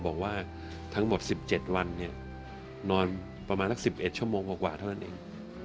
บอกว่าทั้งหมด๑๗วันนอนประมาณสัก๑๑ชั่วโมงกว่าเท่านั้นเอง